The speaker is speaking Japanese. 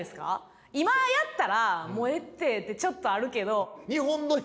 今やったら「もうええって」ってちょっとあるけど。